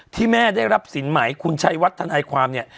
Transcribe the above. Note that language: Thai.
ที่แม่ได้รับสินหมายคุณชัยวัฒนาความนี้